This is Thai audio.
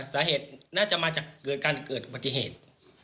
สาเหตุน่าจะมาจากเกิดการเกิดอุบัติเหตุ